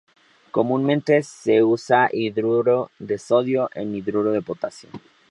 Comúnmente se usa hidruro de sodio e hidruro de potasio.